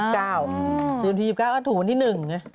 จะซื้นที๒๙สุดที่๒๙ถุงแผ่นที่หนึ่ง